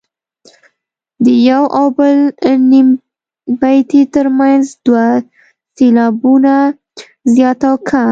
د یو او بل نیم بیتي ترمنځ دوه سېلابه زیات او کم.